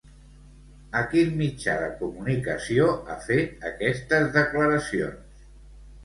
A quin mitjà de comunicació ha fet aquestes declaracions?